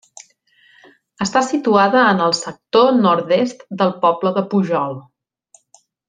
Està situada en el sector nord-est del poble de Pujol.